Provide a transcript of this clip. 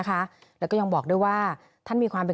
ค่ะก็คือได้ถ่ายรูปกับท่าน